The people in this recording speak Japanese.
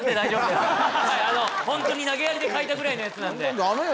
ホントに投げやりで書いたぐらいのやつなんでダメよ